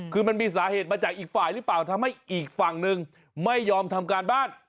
คือมันมีสาเหตุมาจากอีกฝ่ายหรือเปล่าทำให้อีกฝั่งหนึ่งไม่ยอมทำการบ้าน